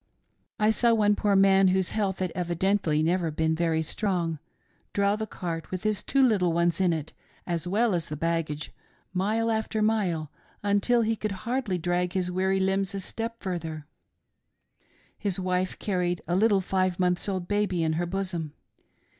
"I saw one poor man whose health had evidently never been strong, draw the cart with his two little ones in it, as well as the baggage, mile after mile, until he could hardly drag his weary limbs a step further ; his wife carried a little five months old baby in her bosom.